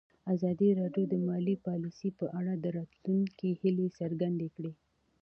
ازادي راډیو د مالي پالیسي په اړه د راتلونکي هیلې څرګندې کړې.